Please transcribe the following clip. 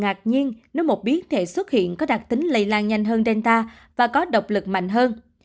ngạc nhiên nếu một biến thể xuất hiện có đặc tính lây lan nhanh hơn delta và có độc lực mạnh hơn